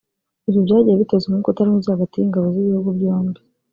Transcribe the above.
Ibi byagiye biteza umwuka utari mwiza hagati y’ingabo z’ibihugu byombi